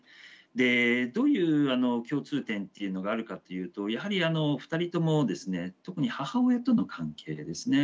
でどういう共通点っていうのがあるかっていうとやはり２人ともですね特に母親との関係でですね